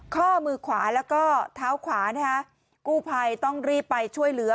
ข้อมือขวาแล้วก็เท้าขวานะฮะกู้ภัยต้องรีบไปช่วยเหลือ